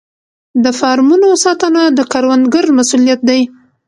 د فارمونو ساتنه د کروندګر مسوولیت دی.